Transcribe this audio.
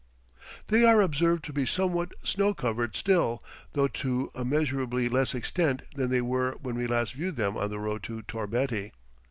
They are observed to be somewhat snow crowned still, though to a measurably less extent than they were when we last viewed them on the road to Torbeti.